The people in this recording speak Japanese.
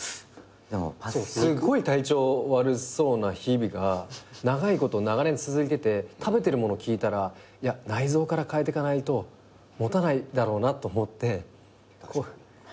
すっごい体調悪そうな日々が長いこと長年続いてて食べてるもの聞いたらいや内臓から変えてかないと持たないだろうなって思って栄養面を考えた。